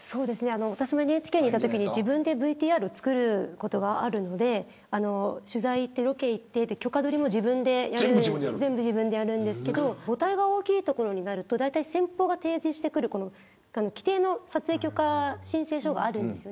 私がＮＨＫにいたときに自分でＶＴＲ作ることがあるので取材ロケに行ったときに許可取りも全部自分でやるんですけど母体が大きいところになると先方は提示してくる規定の撮影許可申請書があるんです。